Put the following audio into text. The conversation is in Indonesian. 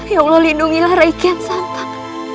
ya allah lindungilah reikian santang